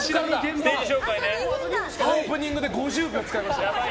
オープニングで５０使いました。